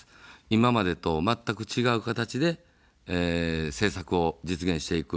今までと全く違う形で政策を実現していく。